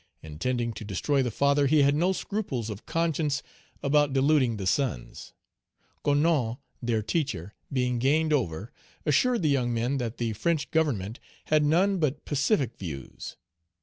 Intending to destroy the father, he had no scruples of conscience about deluding the sons. Coasnon, their teacher, being gained over, assured the young men that the French Government had none but pacific views.